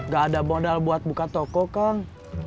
gak ada modal buat buka toko kang